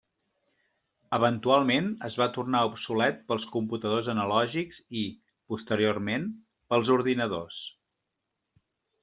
Eventualment es va tornar obsolet pels computadors analògics i, posteriorment, pels ordinadors.